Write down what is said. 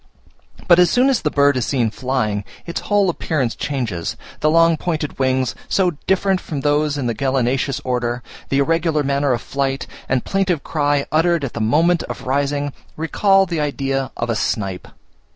But as soon as the bird is seen flying, its whole appearance changes; the long pointed wings, so different from those in the gallinaceous order, the irregular manner of flight, and plaintive cry uttered at the moment of rising, recall the idea of a snipe.